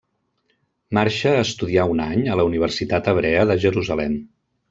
Marxa a estudiar un any a la universitat hebrea de Jerusalem.